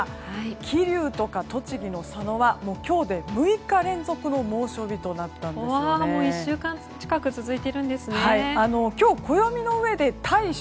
桐生とか栃木の佐野は今日で６日連続の１週間近く今日、暦の上で大暑。